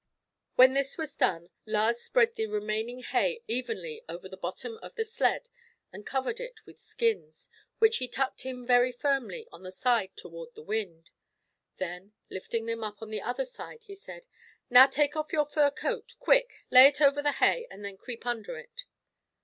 When this was done, Lars spread the remaining hay evenly over the bottom of the sled and covered it with the skins, which he tucked in very firmly on the side toward the wind. Then, lifting them up on the other side, he said: "Now take off your fur coat, quick, lay it over the hay, and then creep under it."